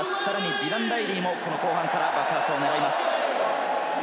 ディラン・ライリーも後半から爆発を狙います。